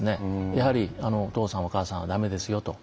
やはりお父さんお母さんはだめですよと。